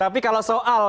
tapi kalau soal